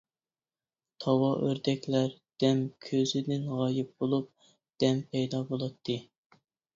تاۋا ئۆردەكلەر دەم كۆزدىن غايىب بولۇپ، دەم پەيدا بولاتتى.